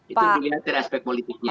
itu mungkin ada aspek politiknya